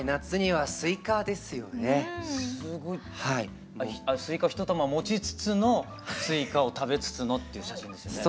スイカ一玉持ちつつのスイカを食べつつのっていう写真ですね。